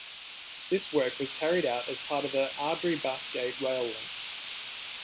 This work was carried out as part of the Airdrie-Bathgate Rail Link.